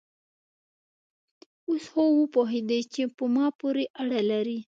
اوس خو وپوهېدې چې په ما پورې اړه لري؟